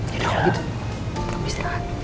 ya udah kalau gitu kamu istirahat